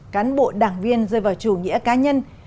cán bộ đảng viên rơi vào chủ nghĩa cá nhân